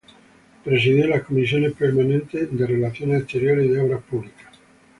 Presidió las comisiones permanentes de Relaciones Exteriores, y de Obras Públicas.